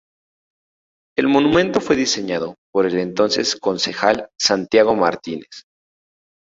El monumento fue diseñado por el entonces concejal Santiago Martínez.